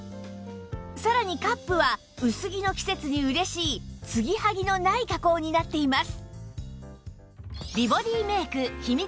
さらにカップは薄着の季節に嬉しいつぎはぎのない加工になっています